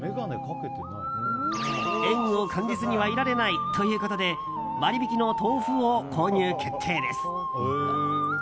縁を感じずにはいられないということで割引の豆腐を購入決定です。